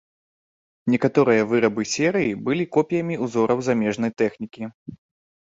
Некаторыя вырабы серыі былі копіямі ўзораў замежнай тэхнікі.